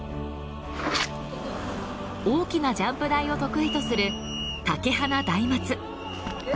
大きなジャンプ台を得意とする竹花大松。